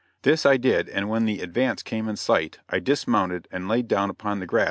This I did, and when the advance came in sight I dismounted and laid down upon the grass to rest.